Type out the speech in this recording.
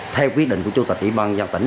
theo quy định của chủ tịch địa bàn giao tỉnh